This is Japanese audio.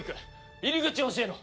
入り口を教えろ！